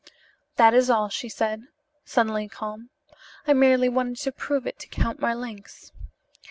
"That is all," she said, suddenly calm. "I merely wanted to prove it to Count Marlanx."